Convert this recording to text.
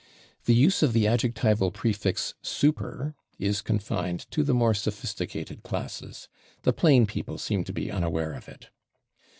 The use of the adjectival prefix /super / is confined to the more sophisticated classes; the plain people seem to be unaware of it.